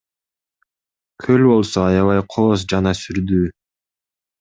Көл болсо аябай кооз жана сүрдүү.